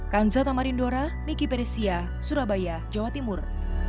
kanjata marindora miki peresia surabaya jawa timur